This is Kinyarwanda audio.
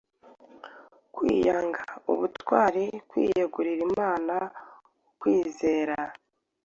kwiyanga, ubutwari, kwiyegurira Imana, ukwizera